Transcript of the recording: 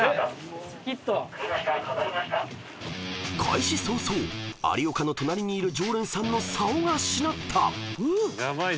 ［開始早々有岡の隣にいる常連さんのさおがしなった］